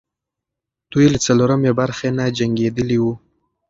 دوی له څلورمې برخې نه جنګېدلې وو.